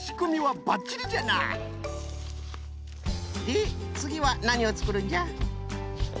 でつぎはなにをつくるんじゃ？